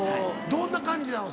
どんな感じなの？